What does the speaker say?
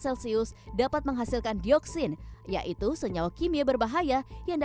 berdasarkan penelitian yang dilakukan program studi teknik lingkungan ftsl itb pada dua ribu sembilan belas